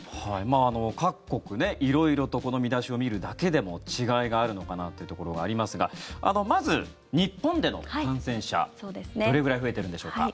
各国色々とこの見出しを見るだけでも違いがあるのかなというところがありますがまず、日本での感染者どれくらい増えているんでしょうか。